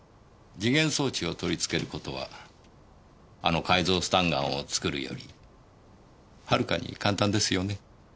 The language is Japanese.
時限装置を取り付ける事はあの改造スタンガンを作るよりはるかに簡単ですよね？